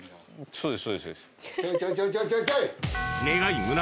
そうです